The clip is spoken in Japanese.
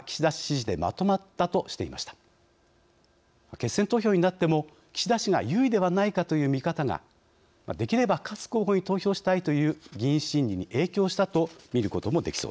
決選投票になっても岸田氏が有利ではないかという見方ができれば勝つ候補に投票したいという議員心理に影響したと見ることもできそうです。